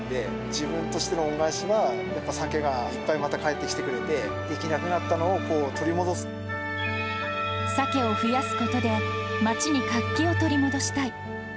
自分としての恩返しは、やっぱサケがまたいっぱいかえってきてくれて、できなくなったのサケを増やすことで、街に活気を取り戻したい。